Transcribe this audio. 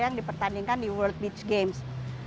yang dipertandingkan di world beach games